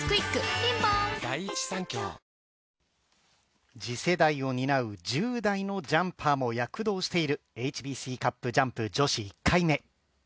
ピンポーン次世代を担う１０代のジャンパーも躍動しているＨＢＣカップジャンプ女子１回目。